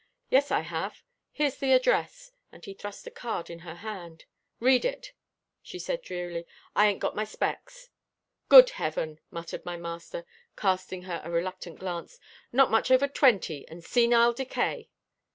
"Yes I have here's the address," and he thrust a card in her hand. "Read it," she said drearily. "I ain't got my specks." "Good Heaven," muttered my master, casting her a reluctant glance. "Not much over twenty, and senile decay."